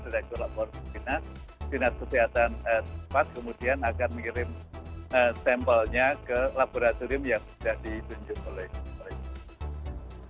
direktur lapor ke binat binat kesihatan cepat kemudian akan mengirim sampelnya ke laboratorium yang sudah ditunjuk oleh